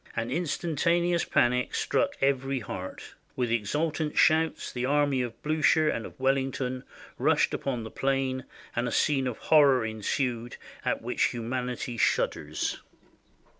An instantaneous panic struck every heart. With exultant shouts the army of Bliicher and of Wellington rushed upon the plain, and a scene of horror ensued at which humanity shudders."